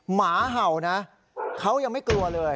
หมาเห่านะเขายังไม่กลัวเลย